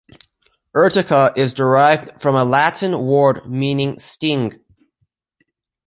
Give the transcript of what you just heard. "Urtica" is derived from a Latin word meaning 'sting'.